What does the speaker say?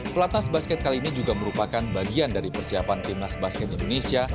pelatnas basket kali ini juga merupakan bagian dari persiapan timnas basket indonesia